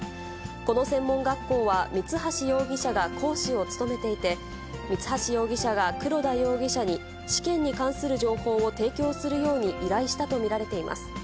この専門学校は三橋容疑者が講師を務めていて、三橋容疑者が黒田容疑者に、試験に関する情報を提供するように依頼したと見られています。